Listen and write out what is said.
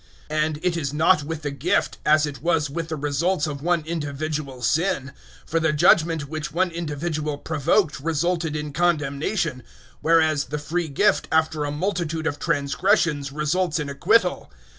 005:016 And it is not with the gift as it was with the results of one individual's sin; for the judgement which one individual provoked resulted in condemnation, whereas the free gift after a multitude of transgressions results in acquittal.